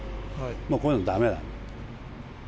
こういうのだめなの。